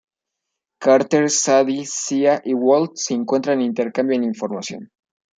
Carter, Sadie, Zia y Walt se encuentran e intercambian información.